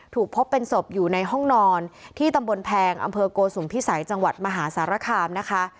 ถูกพบเป็นศพอยู่ในห้องนอนที่ตำบลแพงอำเภอโกสุมพิสัยจังหวัดมหาสารคามนะคะ